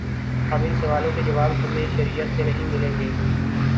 اب ان سوالوں کے جواب ہمیں شریعت سے نہیں ملیں گے۔